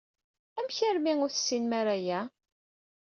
Amek armi ur tessinem ara aya?